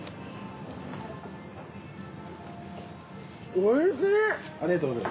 おいしい！